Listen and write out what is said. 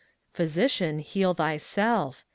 " Physician, heal thyself !